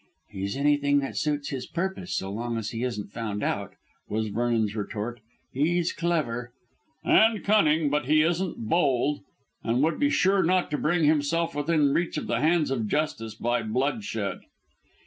"He's anything that suits his purpose, so long as he isn't found out," was Vernon's retort. "He's clever " "And cunning, but he isn't bold, and would be sure not to bring himself within reach of the hands of justice by bloodshed."